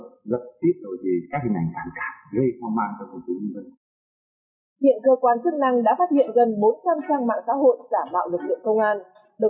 phát tán nhiều hình ảnh phản cảm thực hiện các hành vi vi phạm luật